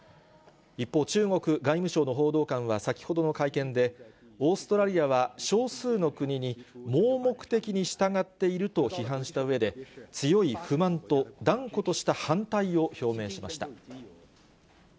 一方、中国外務省の報道官は先ほどの会見で、オーストラリアは少数の国に盲目的に従っていると批判したうえで、強い不満と断固とした反対を表明しました。